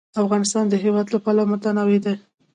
افغانستان د هوا له پلوه متنوع دی.